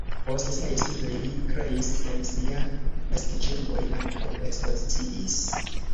Post siaj studoj li kreis en sia naskiĝurbo, li ankaŭ ekspoziciis.